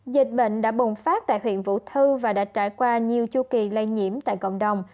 dịch bệnh đã bùng phát tại huyện vũ thư và đã trải qua nhiều chu kỳ lây nhiễm tại cộng đồng